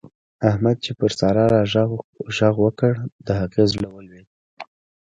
احمد چې پر سارا غږ وکړ؛ د هغې زړه ولوېد.